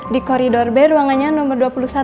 di koridor b ruangannya nomor dua puluh satu